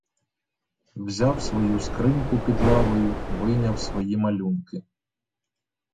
Взяв свою скриньку під лавою, вийняв свої малюнки.